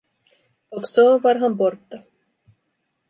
Och så var han borta.